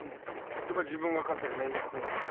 やっぱ自分が飼ってるメインクーンです。